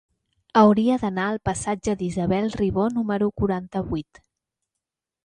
Hauria d'anar al passatge d'Isabel Ribó número quaranta-vuit.